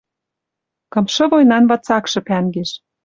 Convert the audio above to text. Кымшы войнан вацакшы пӓнгеш